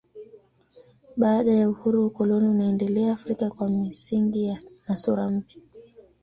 Baada ya uhuru ukoloni unaendelea Afrika kwa misingi na sura mpya.